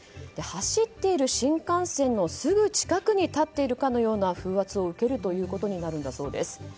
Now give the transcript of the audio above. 走っている新幹線のすぐ近くに立っているかのような風圧を受けるということになるそうです。